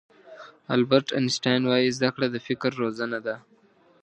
البرټ آینشټاین وایي زده کړه د فکر روزنه ده.